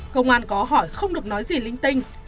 công an có hỏi không được nói gì linh tinh